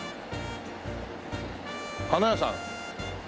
花屋さん？